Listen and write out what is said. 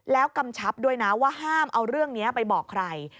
แล้วกำชับด้วยนะว่าห้ามเอาเรื่องนี้ไปบอกใคร